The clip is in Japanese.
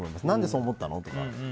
何でそう思ったの？とか。